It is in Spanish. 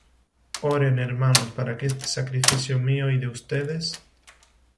Oren, hermanos, para que este sacrificio, mío y de ustedes,